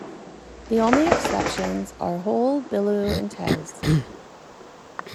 The only exceptions are "Dhol", "Billu" and "Tezz".